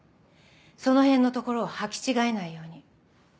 その辺のところを履き違えないように。